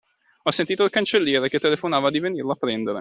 Ho sentito il cancelliere, che telefonava di venirlo a prendere.